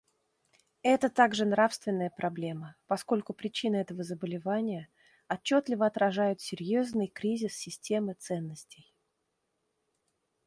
Это также нравственная проблема, поскольку причины этого заболевания отчетливо отражают серьезный кризис системы ценностей.